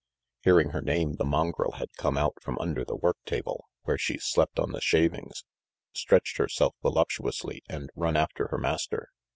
Hearing her name the mongrel had come out from under the work table, where she slept on the shavings, stretched herself voluptuously and run after her master.